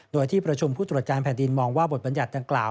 โดยที่ประชุมผู้ตรวจการแผ่นดินมองว่าบทบรรยัติดังกล่าว